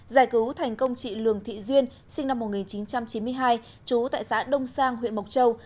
giải cứu thành công chị lường thị duyên sinh năm một nghìn chín trăm chín mươi hai trú tại xã đông sang huyện mộc châu